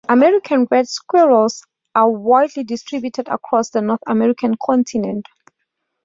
American red squirrels are widely distributed across the North American continent.